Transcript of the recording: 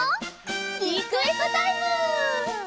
リクエストタイム！